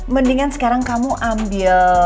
mendingan sekarang kamu ambil